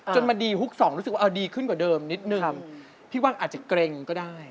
มาดีฮุกสองรู้สึกว่าดีขึ้นกว่าเดิมนิดนึงพี่ว่างอาจจะเกร็งก็ได้